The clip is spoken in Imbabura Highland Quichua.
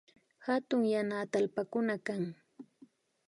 Hatun yana atallpakuna kan